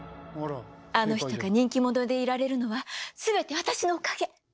あの人が人気者でいられるのは全て私のおかげ！